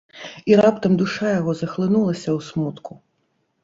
І раптам душа яго захлынулася ў смутку.